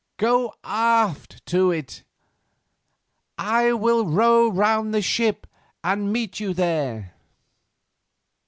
Go aft to it, I will row round the ship and meet you there."